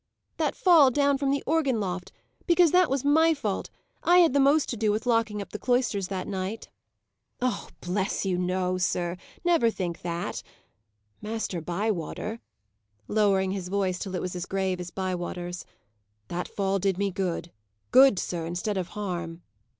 "That fall down from the organ loft. Because that was my fault. I had the most to do with locking up the cloisters, that night." "Oh, bless you, sir, no! Never think that. Master Bywater" lowering his voice till it was as grave as Bywater's "that fall did me good good, sir, instead of harm."